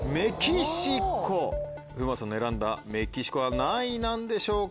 風磨さんの選んだメキシコは何位なんでしょうか。